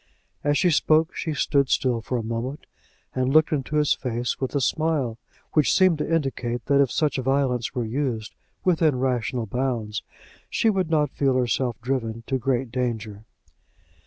As she spoke she stood still for a moment, and looked into his face with a smile which seemed to indicate that if such violence were used, within rational bounds, she would not feel herself driven to great anger.